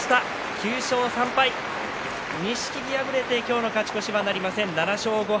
９勝３敗錦木敗れて今日の勝ち越しはなりません。